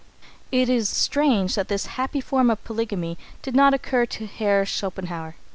It is strange that this happy form of polygamy did not occur to Herr Schopenhauer.